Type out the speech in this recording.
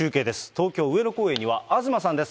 東京・上野公園には、東さんです。